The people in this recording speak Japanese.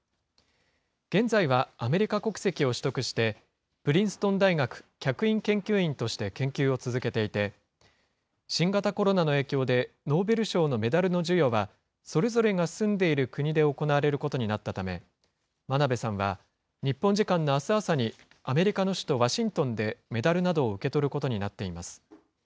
現在はアメリカ国籍を取得して、プリンストン大学客員研究員として研究を続けていて、新型コロナの影響でノーベル賞のメダルの授与は、それぞれが住んでいる国で行われることになったため、真鍋さんは日本時間のあす朝に、アメリカの首都ワシントンで、メダルなどを受け取ることになっています。